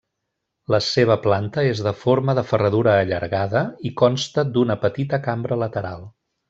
La seva planta és de forma de ferradura allargada i consta d'una petita cambra lateral.